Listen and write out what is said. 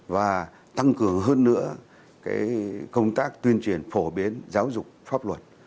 và tăng cường hơn nữa công tác tuyên truyền phổ biến giáo dục pháp luật